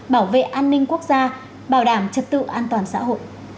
bảo vệ an ninh quốc gia bảo đảm trật tự an toàn xã hội